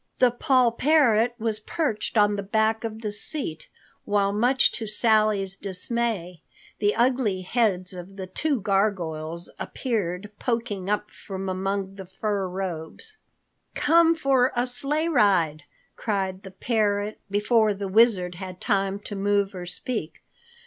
The poll parrot was perched on the back of the seat, while much to Sally's dismay the ugly heads of the two gargoyles appeared poking up from among the fur robes. "Come for a sleigh ride," cried the parrot before the Wizard had time to move or speak.